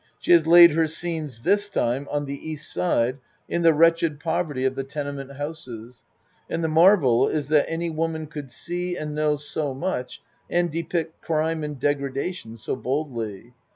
She has laid her scenes this time on the East side in the wretched poverty ACT I 13 of the tenement houses, and the marvel is that any woman could see and know so much and depict crime and degradation so boldly.